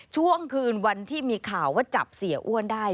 ช่วงคืนวันที่มีข่าวว่าจับเสียอ้วนได้